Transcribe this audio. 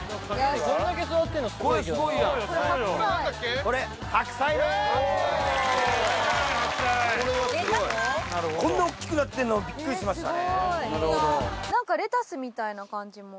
こんな大きくなってるのビックリしましたね。